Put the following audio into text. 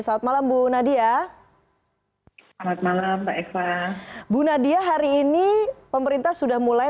selamat malam bu nadia selamat malam pak eva bu nadia hari ini pemerintah sudah mulai